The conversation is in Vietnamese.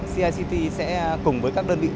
cict sẽ cùng với các đơn vị